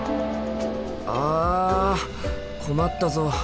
あ困ったぞ。